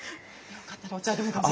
よかったらお茶でもどうぞ。